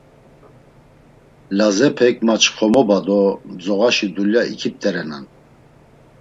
Lazepek maçxomoba do mzoğaşi dulya ikipt̆erenan.